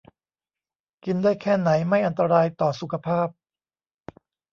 กินได้แค่ไหนไม่อันตรายต่อสุขภาพ